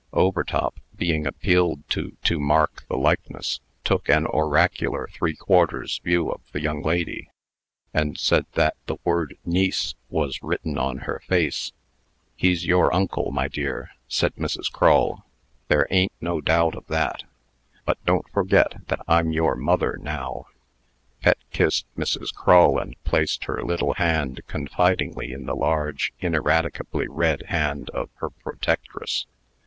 Overtop, being appealed to to mark the likeness, took an oracular three quarters view of the young lady, and said that the word "niece" was written on her face. "He's your uncle, my dear," said Mrs. Crull. "There a'n't no doubt o' that. But don't forget that I'm your mother, now." Pet kissed Mrs. Crull, and placed her little hand confidingly in the large, ineradicably red hand of her protectress.